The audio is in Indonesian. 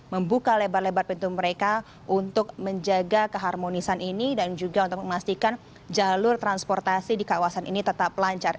membuka lebar lebar pintu mereka untuk menjaga keharmonisan ini dan juga untuk memastikan jalur transportasi di kawasan ini tetap lancar